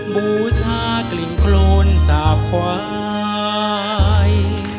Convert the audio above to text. บูชากลิ่นโครนสาบควาย